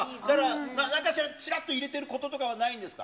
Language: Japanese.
なんかしらちらっと入れてることはないんですか？